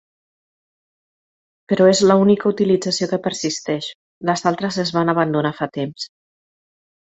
Però és l’única utilització que persisteix: les altres es van abandonar fa temps.